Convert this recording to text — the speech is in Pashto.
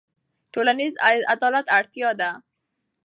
ټولنیز عدالت اړتیا ده.